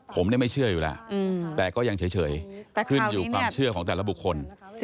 ผมไม่เชื่ออยู่แล้วแต่ก็ยังเฉยขึ้นอยู่ความเชื่อของแต่ละบุคคล